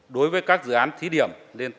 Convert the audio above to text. đối với các dự án thí điểm lên tám mươi